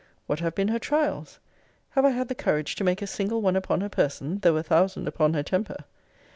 What have been her trials? Have I had the courage to make a single one upon her person, though a thousand upon her temper?